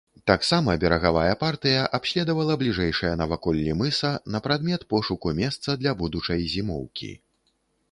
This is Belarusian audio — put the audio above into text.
Таксама берагавая партыя абследавала бліжэйшыя наваколлі мыса на прадмет пошуку месца для будучай зімоўкі.